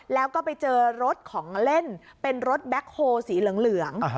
แล้วก็ไปเจอรถของเล่นเป็นรถแบ็คโฮลสีเหลือง